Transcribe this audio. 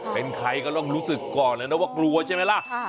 เป็นใครก็ต้องรู้สึกก่อนเลยนะว่ากลัวใช่ไหมล่ะ